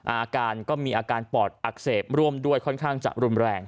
อาการก็มีอาการปอดอักเสบร่วมด้วยค่อนข้างจะรุนแรง